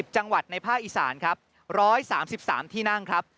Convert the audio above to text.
จังหวัดในภาคอีสานครับ๑๓๓ที่นั่งครับ